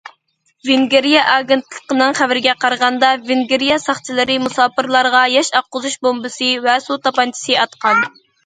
ۋېنگىرىيە ئاگېنتلىقىنىڭ خەۋىرىگە قارىغاندا، ۋېنگىرىيە ساقچىلىرى مۇساپىرلارغا ياش ئاققۇزۇش بومبىسى ۋە سۇ تاپانچىسى ئاتقان.